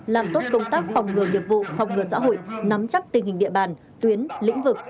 làm tốt công tác phòng ngừa nghiệp vụ phòng ngừa xã hội nắm chắc tình hình địa bàn tuyến lĩnh vực